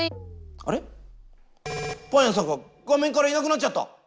あれパン屋さんが画面からいなくなっちゃった！